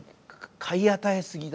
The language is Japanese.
買い与え過ぎだ。